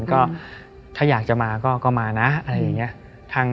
ก็ถ้าอยากจะมาก็มานะอะไรอย่างนี้